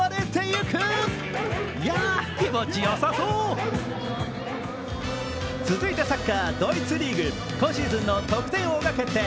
いやあ、気持ちよさそう。続いて、サッカー・ドイツリーグ。今シーズンの得点王が決定。